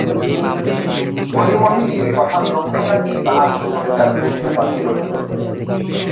হরিমোহিনীর কথার লক্ষ্যটা কী তাহা সুচরিতার বুঝতে বাকি রহিল না।